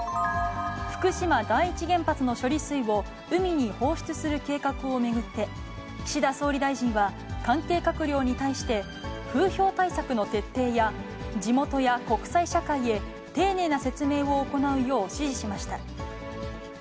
福島第一原発の処理水を海に放出する計画を巡って、岸田総理大臣は関係閣僚に対して、風評対策の徹底や、地元や国際社会へ丁寧な説明を行うよう指示しました。